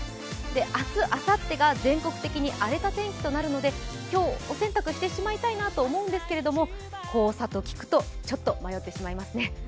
明日、あさってが全国的に荒れた天気となるので今日、お洗濯してしまいたいなと思うんですけど、黄砂と聞くとちょっと迷ってしまいますね。